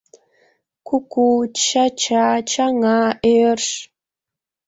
Куку, чача, чаҥа, ӧрш